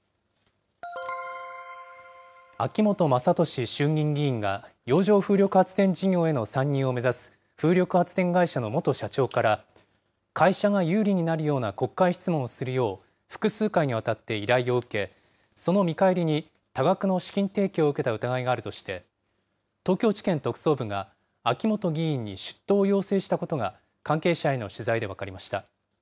秋本真利衆議院議員が、洋上風力発電事業への参入を目指す、風力発電会社の元社長から、会社が有利になるような国会質問をするよう、複数回にわたって依頼を受け、その見返りに多額の資金提供を受けた疑いがあるとして、東京地検特捜部が、秋本議員に出頭を要請したことが関係者への取材で分かりました。